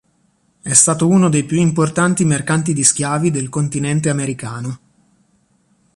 È stato uno dei più importanti mercanti di schiavi del continente americano.